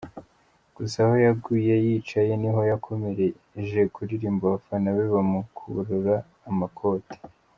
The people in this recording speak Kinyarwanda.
gusa aho yaguye yicaye niho yakomereje kuririmba abafana be bamukurura amakote.